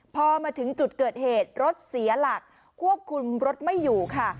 พอมาถึงจุดเกิดเหตุรถเสียหลักควบคุมรถไม่อยู่ค่ะ